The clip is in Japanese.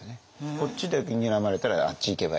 こっちでにらまれたらあっち行けばいいとかね。